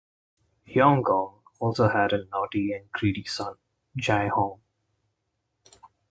Yong Gong also had a naughty and greedy son, Jae-hong.